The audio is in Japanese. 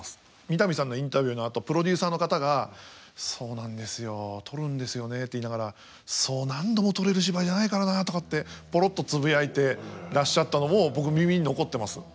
三谷さんのインタビューのあとプロデューサーの方が「そうなんですよ撮るんですよね」って言いながら「そう何度も撮れる芝居じゃないからなあ」とかってポロっとつぶやいてらっしゃったのも僕耳に残ってます。